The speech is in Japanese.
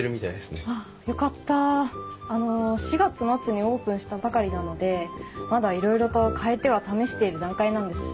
あの４月末にオープンしたばかりなのでまだいろいろと変えては試している段階なんです。